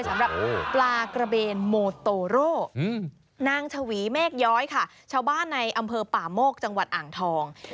สำหรับปลากระเบนโมโตโร